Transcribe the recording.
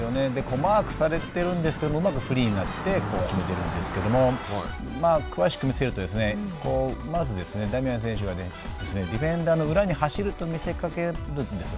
マークされているんですけどうまくフリーになって決めてるんですけど詳しく見せるとまずダミアン選手がディフェンダーの裏に走ると見せかけるんですよ。